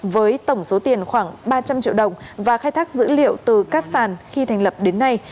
với tổng số tiền khoảng ba trăm linh triệu đồng và khai thác dữ liệu từ các sàn khi thành lập đến nay